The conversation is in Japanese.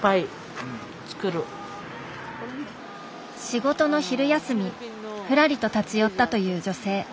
仕事の昼休みふらりと立ち寄ったという女性。